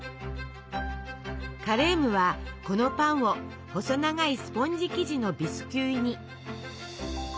カレームはこのパンを細長いスポンジ生地のビスキュイに。